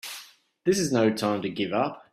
This is no time to give up!